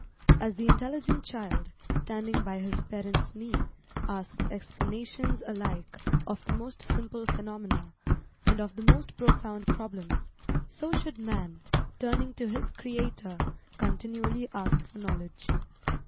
As the intelligent child, standing by his parent's knee, asks explanations alike of the most simple phenomena, and of the most profound problems; so should man, turning to his Creator, continually ask for knowledge.